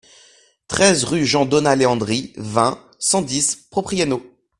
treize rue Jean Donat Leandri, vingt, cent dix, Propriano